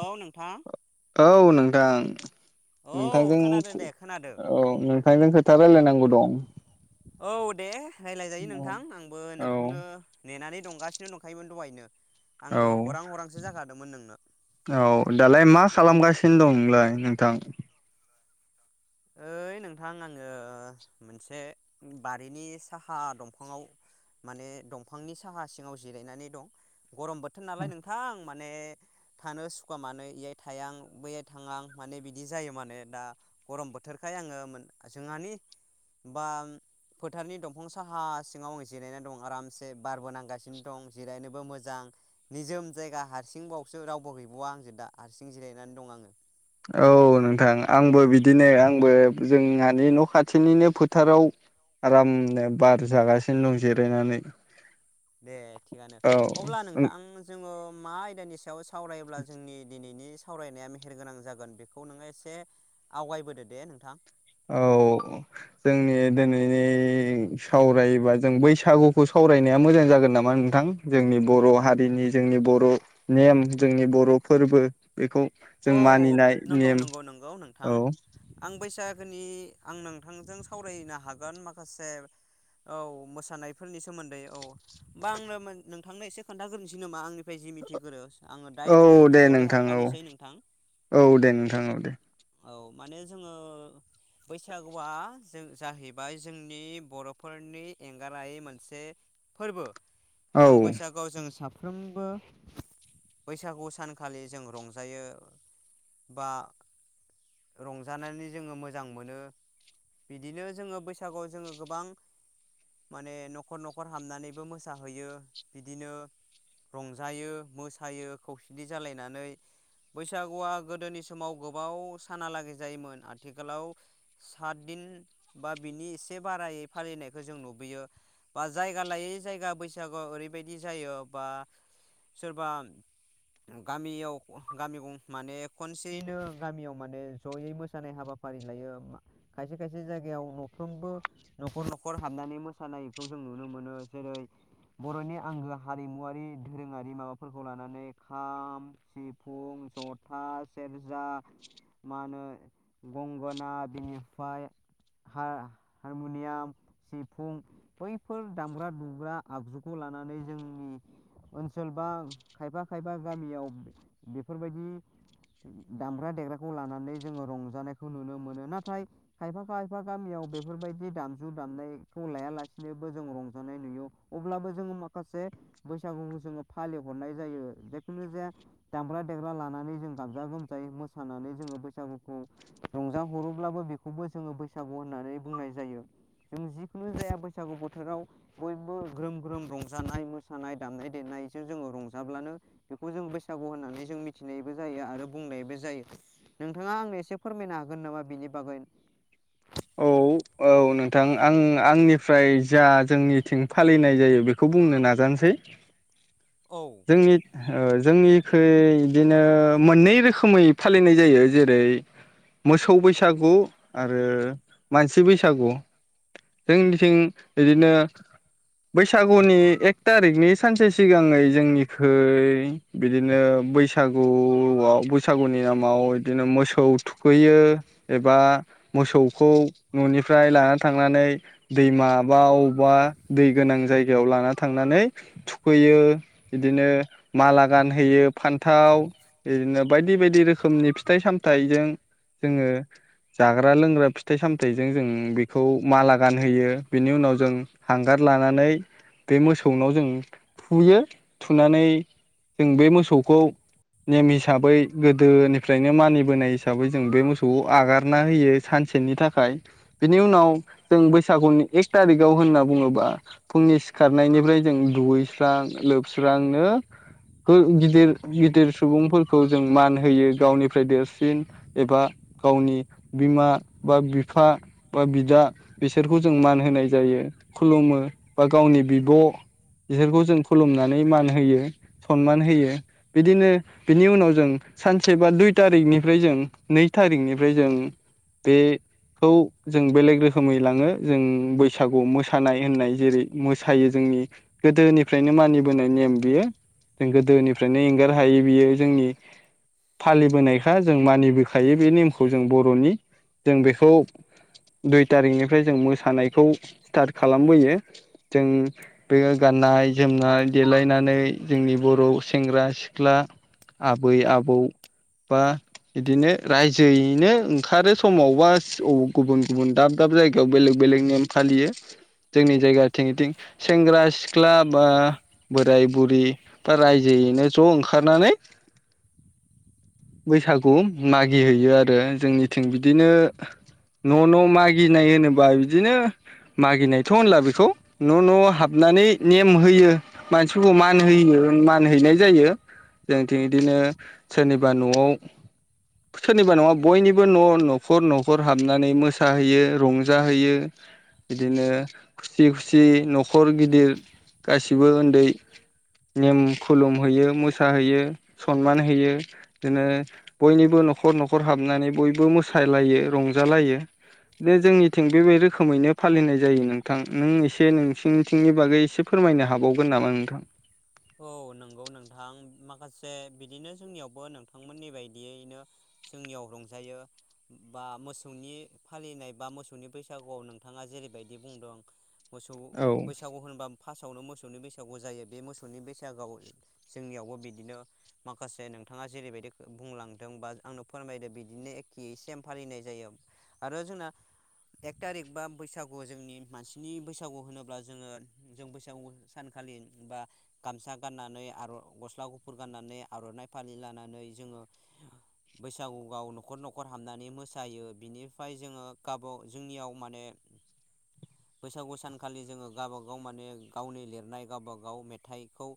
औ नोंथां औ नोंथां औ नोंथांजों खोनादों दे खोनादों औ नोंथांजों खोथा रायलायनांगौ दं औ दे रायलायजायो नोंथां आंबो औ नोंखौनो नेनानै दंगासिनो दंखायोमोन दहायनो औ आङो हरां हरांसो जाखादोंमोन नोंनो औ दालाय मा खालामगासिनो दं नोंलाय नोंथां ओइ नोंथां आङो मोनसे बारिनि साहा दंफाङाव माने दंफांनि साहा सिङाव जिरायनानै दं गरम बोथोर नालाय नोंथां माने थानो सुखाआ मानो बेय थायां बैयै थाङां माने बिदि जायो माने दा गरम बोथोरखाय आङो जोंहानि बा फोथारनि दंफां साहा सिङाव आं जिरायनानै दं आरामसे बारबोनांगासिनो दं जिरायनोबो मोजां निजोम जायगा हारसिं बावसो रावबो गैबावा आंजो दा हारसिं जिरायनानै दं आङो औ नोंथां आंबो बिदिनो आंबो जोंहानि न' खाथिनिनो फोथाराव आरामनो बार जागासिनो दं जिरायनानै दे थिगानो अब्ला औ नोंथां जोङो मा आयदानि स सायाव सावरायोब्ला जोंनि दिनैनि सावरायनाया मेहेर गोनां जागोन बेखौ नोङो एसे आवगायबोदो दे नोंथां। औ जोंनि दिनैनि सावरायबा जों बैसागुखौ सावरायनाया मोजां जागोन नामा नोंथां जोंनि बर' हारिनि जोंनि बर' नेम जोंनि बर' फोरबो बेखौ जों औ मानिनाय नंगौ नेम नंगौ नंगौ नोंथां औ आं बैसाग [unintelligible] नि आं नोंथांजों सावरायनो हागोन माखासे औ मोसानायफोरनि सोमोन्दै औ होमबा आंनो नोंथांनो एसे खोन्थाग्रोनोसै नामा आंनि [unintelligible] जि मिथिग्रो आङो औ डाइरेकयै दे सर्टयै नोंथां औ हाबखानोसै नों औ दे नोंथां औ दे। औ माने जोङो बैसागुआ जों जाहैबाय जोंनि बर'फोरनि एंगारहायै मोनसे फोरबो। औ जों बैसागुआव जों साफ साफ्रोमबो बैसागु सानखालि जों रंजायो। बा रंजानानै जोङो मोजां मोनो बिदिनो जोङो बैसागुआव जोङो गोबां माने न'खर न'खर हामनानैबो मोसाहैयो बिदिनो रंजायो मोसायो खौसेथि जालायनानै बैसागुआ गोदोनि समाव गोबाव सानालागै जायोमोन आथिखालाव सातदिन बा बिनि एसे बारायै फालिनायखौ जों नुबोयो बा जायगा लायै जायगा बैसागु ओरैबायदि जायो बा सोरबा गामियाव गामि ग-माने खनसेयैनो गामियाव माने जयै मोसानाय हाबाफारि लायो खायसे खायसे जायगायाव न'फ्रोमबो न'खर न'खर हाबनानै मोसानायखौ जों नुनो मोनो जेरै बर'नि आंगो हारिमुवरारि दोरोङारि माबाफोरखौ लानानै खाम सि फुं जथा सेरजा मा होनो गंगोना बिनिफ्राय हा हारमुनियाम सिफुं बैफोर दामग्रा दुग्रा आगजुखौ लानानै जोंनि ओनसोल बा खायफा खायफा गामियाव बेफोरबायदि दामग्रा देग्राखौ लानानै जोङो रंजानायखौ नुनो मोनो नाथाय खायफा खायफा गामियाव बेफोरबायदि दामजु दामनायखौ लायालासिनोबो जों रंजानाय नुयो अब्लाबो जोङो माखासे बैसागुखौ जोङो फालिहरनाय जायो जिखुनु जे दामग्रा देग्रा लानानै जों गाजा गोमजायै मोसानानै जोङो बैसागुखौ रंजााहरोब्लाबो बेखौबो जोङो बैसागु होननानै बुंनाय जायो जों जिखुनु जाया बैसागु बोथोराव बयबो ग्रोम ग्रोम रंजानाय मोसानाय दामनाय देनायजों जोङो रंजाब्लानो बेखौ जों बो होननानै जों मिथिनायबो जायो आरो बुंनायबो जायो नोंथाङा आंनो एसे फोरमायनो हागोन नामा बिनि बागै? औ औ नोंथां आं आंनिफ्राय जा जोंनिथिं फालिनाय जायो बेखौ बुंनो नाजानोसै। जोंनि जोंनिखै बिदिनो मोननै रोखोमै फालिनाय जायो जेरै मोसौ बैसागु आरो मानसि बैसागु जोंनिथिं बिदिनो बैसागुनि एक थारिखनि सानसे सिगाङै जोंनिखै बिदिनो बैसागुआव बैसागुनि नामाव बिदिनो मोसौ थुखैयो एबा मोसौ खौ न'निफ्राय लाना थांनानै दैमाबा अबावबा दै गोनां जायगायाव लाना थांनानै थुखैयो बिदिनो माला गानहोयो फान्थाव बिदिनो बायदि बायदि रोखोम रोखोमनि फिथाइ सामथाइजों जोङो जाग्रा लोंग्रा फिथाइ सामथाइजों जों बेखौ माला गानहोयो बेनि उनाव जों हांगार लानानै बे मोसौनाव जों थुयो थुनानै जों बे मोसौखौ नेम हिसाबै गोदोनिफ्रायनो मानिबोनाय हिसाबै जों बे मोसौखौ आगारना होयो सानसे नि थाखाय बिनि उनाव जों बैसागुनि एक थारिकआव होनना बुङोबा फुंनि सिखारनायनिफ्राय जों दुगैस्रां लोबस्रांनो गिदिर गिदिर सुबुंफोरखौ जों मान होयो गावनिफ्राय देरसिन एबा गावनि बिमा बा बिफा बा बिदा बिसोरखौ जों मान होनाय जायो खुलुमो बा गावनि बिब' बिसोरखौ जों खुलुमनानै मान होयो सनमान होयो बिदिनो बिनि उनाव जों सानसे बा दुइ थारिखनिफ्राय जों नै थारिखनिफ्राय जों बेखौ जों बेलेग रोखोमै लाङो जों बैसागु मोसानाय होननाय जेरै मोसायो जोंनि गोदोनिफ्रायनो मानिबोनाय नेम बियो जों गोदोनिफ्रायनो एंगार हायि बियो जोंनि फालिबोनायखा जों मानिबोखायो बे नेमखौ जों बर'नि जों बेखौ दुइ थारिखनिफ्राय जों मोसानायखौ स्टार्ट खालामबोयो जों बेयो गाननाय जोमनाय देलायनानै जोंनि बर' सेंग्रा सिख्ला आबै आबौ बा बिदिनो रायजोयैनो खारो समावबा गुबुन गुबुन दाब दाब जायगायाव बेलेग बेलेग नेम फालियो जोंनि जायगाथिंथिं सेंग्रा सिख्ला बा बोराय बुरि बा रायजोयैनो ज' ओंखारनानै बैसागु मागिहैयो आरो जोंनि थिं बिदिनो न' न' मागिनाय होनोबा बिदिनो मागिनायथ' होनला बेखौ न' न' हाबनानै नेम होयो मानसिफोरखौ मान होयो मान हैनाय जायो जोंथिं बिदिनो सोरनिबा न'आव सोरनिबा नङा बयनिबो बबो न' न'खर न'खर हाबनानै मोसाहैयो रंजाहैयो बिदिनो खुसि खुसि न'खर गिदिर गासिबो उन्दै निम खुलुम होयो मोसाहैयो सनमान होयो बिदिनो बयनिबो न'खर न'खर हाबनानै बयबो बो मोसायलायो रंजालायो बे जोंनिथिं बेबाय रोखोमैनो फालिनाय जायो नोंथां नों एसे नोंसिनिथिंनि बागै एसे फोरमायनो हाबावगोन नामा नोंथां? औ नंगौ नोंथां माखासे बिदिनो जोंनियावबो नोंथांमोननि बायदियैनो जोंनियाव रंजायो बा मोसौनि फालिनाय बा मोसौनि बैसागुआव नोंथाङा जेरैबायदि बुंदों मोसौ औ बैसागु होनबा फासआवनो मोसौ नि बैसागु जायो बे मोसौ गुनि बैसागु जोंनियावबो बिदिनो माखासे नोंथाङा जेरैबायदि बुंलांदों बा आंनो फोरमायदों बिदिनो एखे सेम फालिनाय जायो आरो जोंना एक थारिक बा बैसागु जोंनि मानसिनि बैसागु होनोब्ला जोङो जों बैसागु सानखालि बा गामसा गाननानै गस्ला गुफुर गाननानै आर'नाइ फालि लानानै जोङो बैसागु गाव न'खर न'खर हाबनानै मोसायो बिनिफ्राय जोङो गावब जोंनियाव माने बैसागु सानखालि जोङो गावबागाव माने गावनि लिरनाय गावबागाव मेथ थाइखौ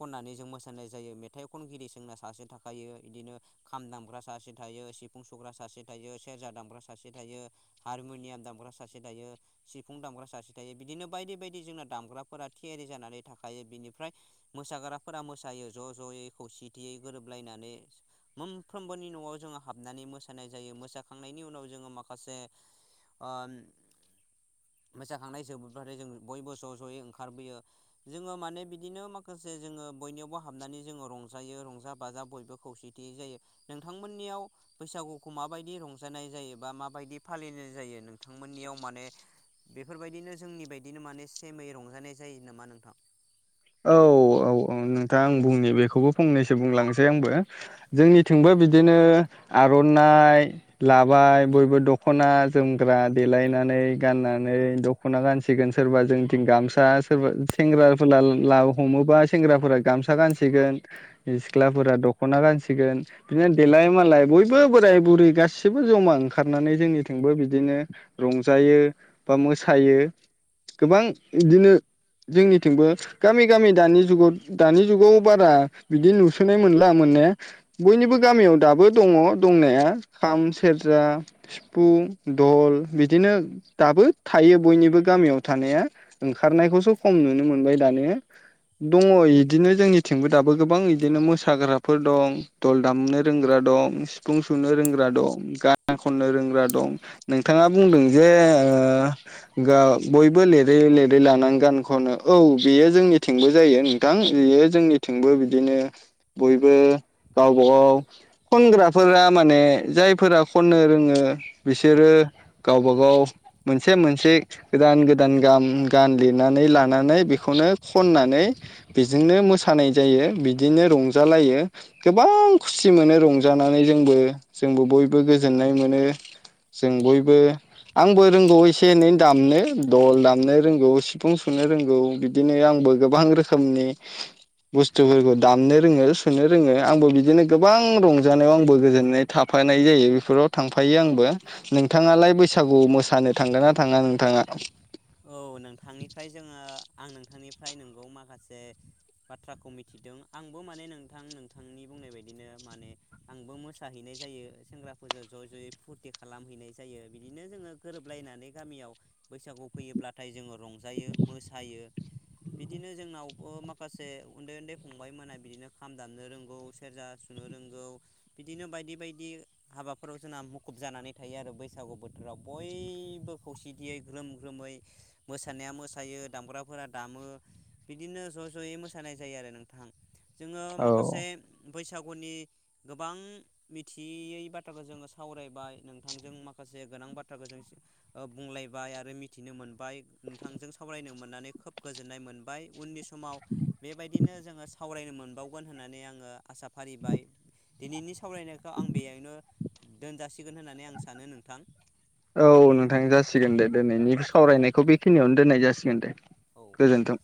खननानै जों मोसानाय जायो मेथाइ खनगिरि जोंना सासे थाखायो बिदिनो खाम दामग्रा सासे थायो सिफुं सुग्रा सासे थायो सेरजा दामग्रा सासे थायो हारमुनियाम दामग्रा सासे थायो सिफुं दामग्रा सासे थायो बिदिनो बायदि बायदि जोंना दामग्राफोरा थियारि जानानै थाख खायो बिनिफ्राय मोसाग्राफोरा मोसायो ज' ज'यै खौसेथियै गोरोबलायनानै मोनफ्रोमबोनि न'आव जोङो हाबनानै मोसानाय जायो मोसाखांनायनि उनाव जोङो माखासे मोसाखांनाय जोबोब्लाथाय जों बयबो ज' ज'यै ओंखारबोयो। जोङो माने बिदिनो माखासे जोङो बयनियावबो हाबनानै जोङो रंजायो रंजा बाजा बयबो खौसेथिय जायो नोंथांमोननियाव बैसागुखौ माबायदि रंजानाय जायो बा माबायदि फालिनाय जायो नोंथांमोननियाव माने बेफोरबायदिनो जोंनि बायदिनो माने सेमै रंजानाय जायो नामा नोंथां? औ -औ -औ नोंथाङां आं बुंनि बेखौबो फंनैसो बुंलांसै आंबो जोंनिथिंबो बिदिनो आर'नाइ लाबाय बयबो दख'ना, जोमग्रा देलायनानै गाननानै दख'ना गानसिगोन सोरबा जोंथिं गामसा सोरबा सेंग्राफोर ला लाव हमोबा सेंग्राफोरा गामसा गानसिगोन सिख्लाफोरा दख'ना गानसिगोन बिदिनो देलाय मालाय बयबो बोराय -बुरि गासिबो जमा ओंखारनानै जोंनिथिंबो बिदिनो रंजायो बा मोसायो गोबां बिदिनो जोंनिथिंबो गामि -गामि दानि जुगाव दानि जुगाव बारा बिदि नुसोनाय मोनला मोननाया बयनिबो गामियाव दाबो दङ दंनाया खाम, सेरजा, सिफुं, दल बिदिनो दाबो थायो बयनिबो गामियाव थानाया ओंखारनायखौसो खम नुनो मोनबाय दानिया दङ बिदिनो जोंनिथिंबो दाबो गोबां बिदिनो मोसाग्राफोर दं दल दामनो रोंग्रा दं, सिफुं सुनो रोंग्रा दं गान खननो रोंग्रा दं, नोंथाङा बुंदों जे बयबो लिरै -लिरै लानानै गान खनो औ बेयो जोंनिथिंबो जायो नोंथां बियो जोंनिथिंबो बिदिनो बयबो गावबा- गाव खनग्राफोरा माने जायफोरा खननो रोङो बिसोरो गावबा -गाव मोनसे मोनसे गोदान- गोदान गान गान लिरनानै लानानै बेखौनो खननानै बिजोंनो मोसानाय जायो बिदिनो रंजालायो गोबां खुसि मोनो रंजानानै जोंबो जोंबो बयबो गोजोननाय मोनो जों बयबो आंबो रोंगौ एसे एनै दामनो दल दामनो रोंगौ सिफुं सुनो रोंगौ बिदि बिदिनो आंबो गोबां रोखोमनि बुस्थुफोरखौ दामनो रोङो, सुनो रोङो, आंबो बिदिनो गोबां रंजानायाव आंबो गोजोननाय थाफानाय जायो बेफोराव थांफायो आंबो नोंथाङालाय बैसागु मोसानो थांगोन ना थाङा नोंथाङा औ नोंथांनिफ्राय जोङो आं नोंथांनिफ्राय नोंगौ माखासे बाथ्राखौ मिथिदों आंबो माने नोंथां नोंथांनि बुंनाय बायदिनो माने आंबो मोसाहैनाय जायो सेंग्राफोरजों ज' ज'यै फुरथि खालामहैनाय जायो बिदिनो जोङो गोरोबलायनानै गामियाव बैसागु फैयोब्लाथाय जोङो रंजायो मोसायो बिदिनो जोंनावबो माखासे उन्दै -उन्दै फंबायमोना बिदिनो खाम दामनो रोंगौ, सेरजा सुनो, रोंगौ बिदिनो बायदि बायदि हाबाफोराव जोंना मुखुब जानानै थायो आरो बैसागु बोथोराव बयबो खौसेथियै ग्रोमोम खोमै मोसानाया मोसायो दामग्राफोरा दामो बिदिनो ज' ज'यै मोसानाय जायो आरो नोंथां जोङो औ माखासे बैसागुनि गोबां मिथियै बाथ्राखौ जोङो सावरायबाय नोंथांजों माखासे गोनां बाथ्राखौ जों बुंलायबाय आरो मिथिनो मोनबाय नोंथांजों सावरायनो मोननानै खोब गोजोननाय मोनबाय उननि सम समाव बेबायदिनो जोङो सावरायनो मोनबावगोन होननानै आङो आसा फारिबाय दिनैनि सावरायनायखौ आं बेयावनो दोनजासिगोन होननानै आं सानो नोंथां। औ नोंथां जासिगोन दे दिनैनि औ सावरायनायखौ बेखिनियावनो दोननाय जासि गोन दे। औ गोजोनथों।